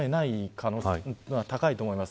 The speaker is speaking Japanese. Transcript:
可能性は高いと思います。